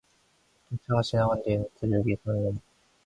전차가 지나간 뒤에는 두 줄기 선로만 영신의 눈이 부시도록 석양을 반사하였다.